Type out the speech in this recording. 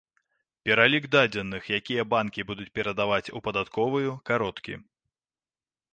Пералік дадзеных, якія банкі будуць перадаваць у падатковую, кароткі.